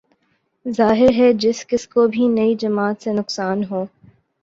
ظاہر ہے جس کس کو بھی نئی جماعت سے نقصان ہو